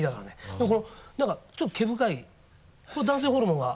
でもこのなんかちょっと毛深いこれ男性ホルモンは。